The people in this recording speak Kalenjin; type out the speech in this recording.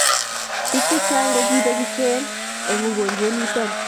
bik chechang ko ki bek ichen eng ukonjwet niton